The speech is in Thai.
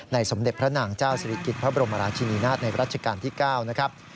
สมเด็จพระนางเจ้าศิริกิจพระบรมราชินีนาฏในรัชกาลที่๙นะครับ